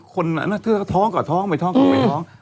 ก็คือท้องกับท้องไปท้องกับไปท้อง